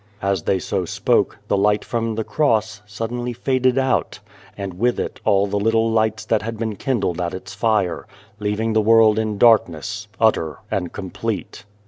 As they so spoke, the light from the Cross suddenly faded out, and with it all the little lights that had been kindled at its fire, leaving the world in darkness, utter and complete.